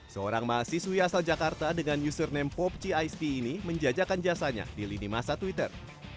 seorang mahasiswi asal jakarta dengan username popci isp ini menjajakan jasanya di lini masa twitter